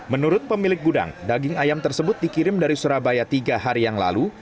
menurut pemilik gudang daging ayam tersebut dikirim dari surabaya tiga hari yang lalu